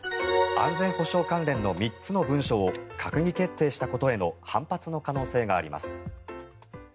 安全保障関連の３つの文書を閣議決定したことへの反発の可能性があります。